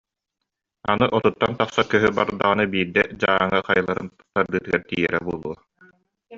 Аны отуттан тахса көһү бардаҕына биирдэ Дьааҥы хайаларын тардыытыгар тиийэрэ буолуо